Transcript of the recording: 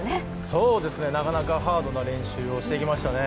そうですね、なかなかハードな練習をしてきましたね。